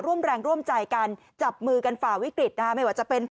ร่วมแรงร่วมใจกันจับมือกันฝ่าวิกฤตนะคะไม่ว่าจะเป็น